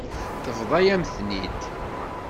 Tebḍa-yam-ten-id.